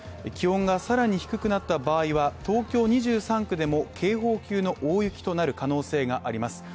気温が更に低くなった場合は、東京２３区でも警報級の大雪となる可能性があります。